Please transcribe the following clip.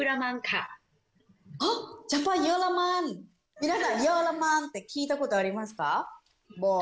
皆さん、ユーラマンって聞いたことありますか？